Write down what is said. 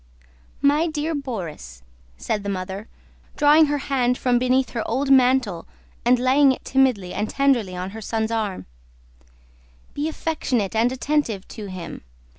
"My dear Borís," said the mother, drawing her hand from beneath her old mantle and laying it timidly and tenderly on her son's arm, "be affectionate and attentive to him.